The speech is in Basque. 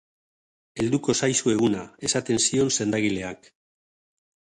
Helduko zaizu eguna, esaten zion sendagileak.